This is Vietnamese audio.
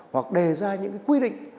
hoặc đề ra những cái quy định